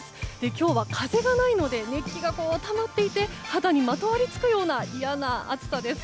今日は風がないので熱気がたまっていて肌にまとわりつくような嫌な暑さです。